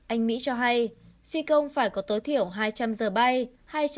anh mỹ cho hay phi công phải có tối thiểu hai trăm linh giờ bay